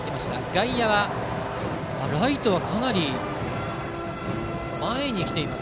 外野はライトはかなり前に来ています。